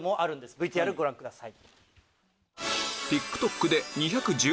ＶＴＲご覧ください。